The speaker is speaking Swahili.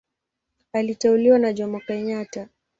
Aliteuliwa na Jomo Kenyatta.